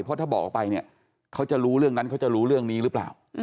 เพราะถ้าบอกออกไปเนี่ยเขาจะรู้เรื่องนั้นเขาจะรู้เรื่องนี้หรือเปล่า